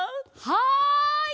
はい！